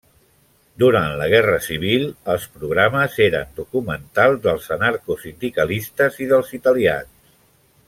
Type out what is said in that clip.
Durant la Guerra Civil els programes eren documentals dels anarcosindicalistes i dels italians.